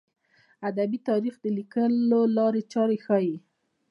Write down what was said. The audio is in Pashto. د ادبي تاریخ د لیکلو لارې چارې ښيي.